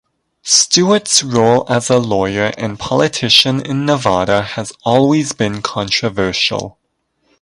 Stewart's role as a lawyer and politician in Nevada has always been controversial.